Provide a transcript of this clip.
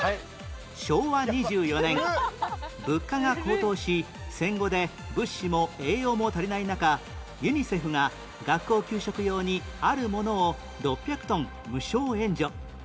昭和２４年物価が高騰し戦後で物資も栄養も足りない中ユニセフが学校給食用にあるものを６００トン無償援助